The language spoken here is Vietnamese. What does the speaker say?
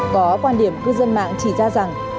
có quan điểm cư dân mạng chỉ ra rằng